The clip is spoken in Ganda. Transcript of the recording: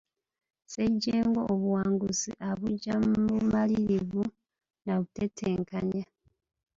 Ssejjengo obuwanguzi abuggya mu bumalirivu na butetenkanya.